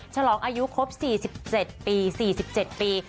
ฉลองอายุครบ๔๗ปี๔๗ปี